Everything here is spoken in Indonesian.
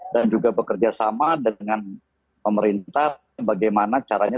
dan juga bekerjasama dengan pemerintah bagaimana caranya